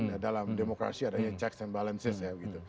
ya dalam demokrasi adanya checks and balances ya gitu